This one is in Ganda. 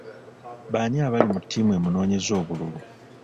Baani abali ku tiimu emunoonyeza obululu?